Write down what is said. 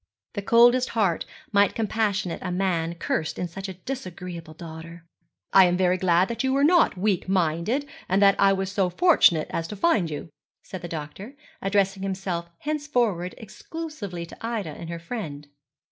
The coldest heart might compassionate a man cursed in such a disagreeable daughter. 'I am very glad you were not weak minded, and that I was so fortunate as to find you,' said the doctor, addressing himself henceforward exclusively to Ida and her friend.